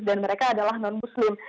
dan mereka adalah non muslim